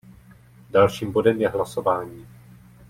Dalším bodem je hlasování.